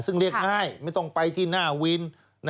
ซึ่งเรียกง่ายไม่ต้องไปที่หน้าวิน